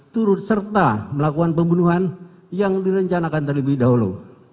turut serta melakukan pembunuhan yang direncanakan terlebih dahulu